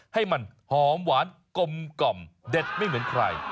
ให้มันหอมหวานกลมกล่อมเด็ดไม่เหมือนใคร